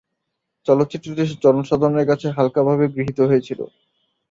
চলচ্চিত্রটি জনসাধারণের কাছে হালকাভাবে গৃহীত হয়েছিল।